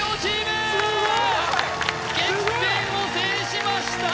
激戦を制しました！